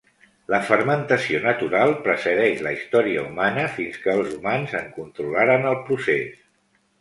La fermentació natural precedeix la història humana fins que els humans en controlaren el procés.